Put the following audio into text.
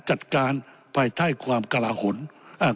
จัดการไปท่ายความกลาหละหลน